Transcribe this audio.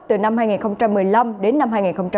từ năm hai nghìn một mươi năm đến năm hai nghìn một mươi tám